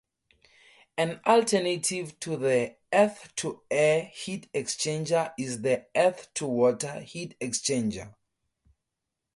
An alternative to the earth-to-air heat exchanger is the earth-to-water heat exchanger.